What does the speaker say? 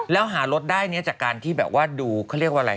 แล้วหารถได้จากการที่ดูเขาเรียกว่าอะไร